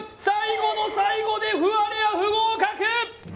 最後の最後でふわれあ不合格！